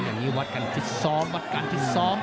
อย่างนี้วัดกันฟิตซ้อมวัดกันฟิตซ้อม